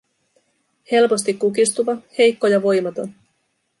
Helposti kukistuva, heikko ja voimaton.